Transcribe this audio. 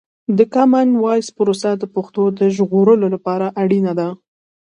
د کامن وایس پروسه د پښتو د ژغورلو لپاره اړینه ده.